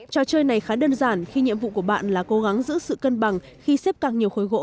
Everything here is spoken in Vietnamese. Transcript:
trò chơi này khá đơn giản khi nhiệm vụ của bạn là cố gắng giữ sự cân bằng khi xếp càng nhiều khối gỗ